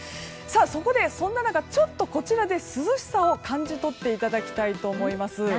そこでそんな中ちょっとこちらで涼しさを感じ取っていただきたいと思います。